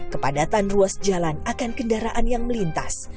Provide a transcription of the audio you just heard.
kepadatan ruas jalan akan kendaraan yang melintas